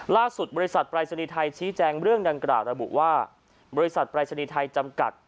บริษัทปรายศนีย์ไทยชี้แจงเรื่องดังกล่าวระบุว่าบริษัทปรายศนีย์ไทยจำกัด